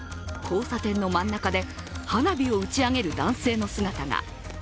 交差点の真ん中で花火を打ち上げる男性の姿が。